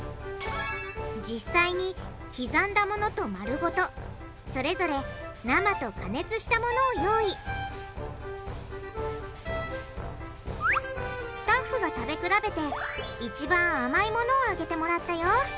実際に刻んだものと丸ごとそれぞれ生と加熱したものを用意スタッフが食べ比べて一番甘いものをあげてもらったよ。